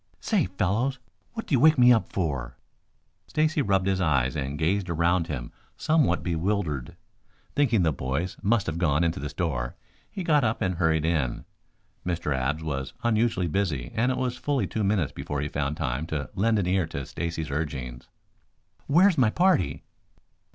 "Say, fellows, what do you want to wake me up for " Stacy rubbed his eyes and gazed around him somewhat bewildered. Thinking the boys must have gone into the store, he got up and hurried in. Mr. Abs was unusually busy and it was fully two minutes before he found time to lend an ear to Stacy's urgings. "Where's my party?"